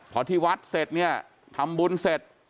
พอที่วัทธ์เสร็จทำบุญเสร็จ